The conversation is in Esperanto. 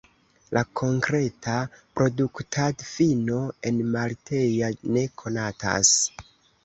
La konkreta produktadfino enmalteja ne konatas.